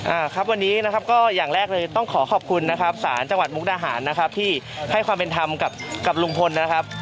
อ่าครับวันนี้นะครับก็อย่างแรกเลยต้องขอขอบคุณนะครับศาลจังหวัดมุกดาหารนะครับที่ให้ความเป็นธรรมกับกับลุงพลนะครับ